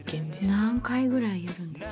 何回ぐらいやるんですか？